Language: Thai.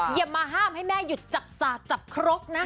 อย่ามาห้ามให้แม่หยุดจับสาดจับครกนะ